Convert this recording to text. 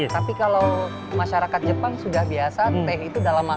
tapi kalau masyarakat jepang sudah biasa teh itu dalam makanan